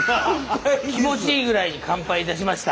気持ちいいぐらいに完敗いたしました。